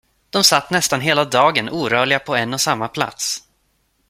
De satt nästan hela dagen orörliga på en och samma plats.